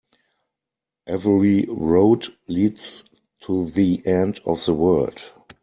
Every road leads to the end of the world.